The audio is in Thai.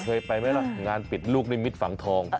เคยไปไหมล่ะงานปิดลูกนิมิตฝังทอง